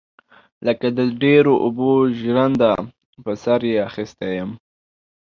لکه د ډيرو اوبو ژرنده پر سر يې اخيستى يم.